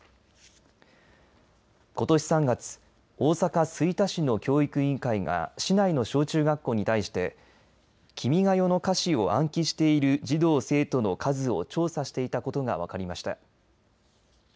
ことし３月大阪、吹田市の教育委員会が市内の小中学校に対して君が代の歌詞を暗記している児童、生徒の数を調査していたことが分かりました。